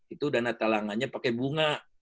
itu dana talangannya pakai bunga